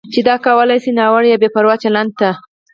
چې دا کولی شي ناوړه یا بې پروا چلند ته